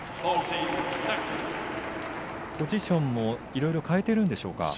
ポジションも、いろいろ変えているんでしょうか。